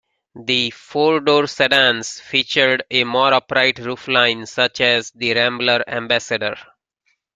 The four-door sedans featured a more upright roofline such as the Rambler Ambassador.